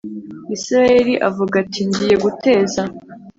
Isirayeli avuga ati ngiye guteza